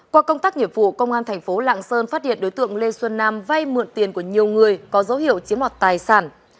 qua công tác nhiệm vụ công an tp lạng sơn phát hiện đối tượng lê xuân nam vay mượn tiền của nhiều người có dấu hiệu chiếm luật tài sản